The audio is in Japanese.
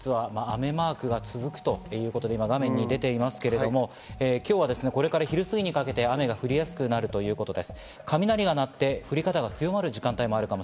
今日から実は雨マークが続くということで、画面に出ていますけど今日はこれから昼すぎにかけて雨が降りやすくなるということです。